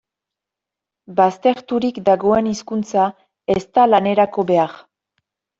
Bazterturik dagoen hizkuntza ez da lanerako behar.